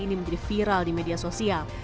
ini menjadi viral di media sosial